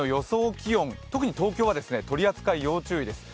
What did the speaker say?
気温、特に東京は取り扱い要注意です。